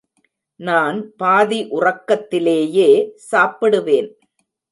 நான் பாதி உறக்கத்திலேயே சாப்பிடுவேன்.